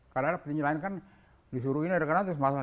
karena ada petinju lain kan disuruhin terus masak